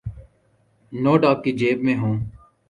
Note آپ کی جیب میں ہوں۔